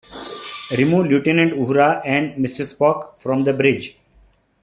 Remove Lieutenant Uhura and Mr. Spock from the bridge.